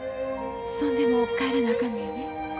そんでも帰らなあかんのやね？